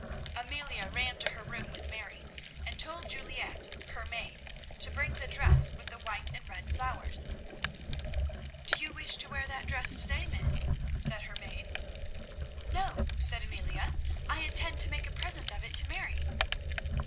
Amelia ran to her room with Mary, and told Juliette, her maid, to bring the dress with the white and red flowers. "Do you wish to wear that dress to day, miss?" said her maid. "No," said Amelia, "I intend to make a present of it to Mary."